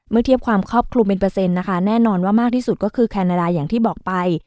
เมื่อเทียบความครอบคลุมเป็นเปอร์เซ็นต์นะคะแน่นอนว่ามากที่สุดก็คือแคนาดาอย่างที่บอกไป